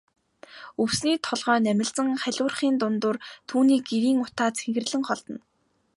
Өвсний толгой намилзан халиурахын дундуур түүний гэрийн утаа цэнхэрлэн холдоно.